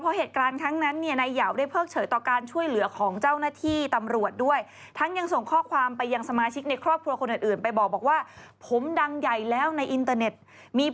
เพราะเหตุการณ์ทั้งนั้นเนี่ย